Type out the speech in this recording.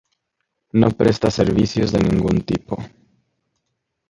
No presta servicios de ningún tipo.